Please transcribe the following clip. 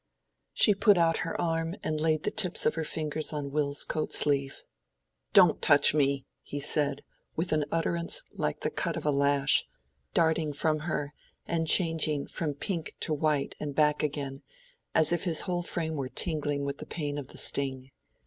She put out her arm and laid the tips of her fingers on Will's coat sleeve. "Don't touch me!" he said, with an utterance like the cut of a lash, darting from her, and changing from pink to white and back again, as if his whole frame were tingling with the pain of the sting.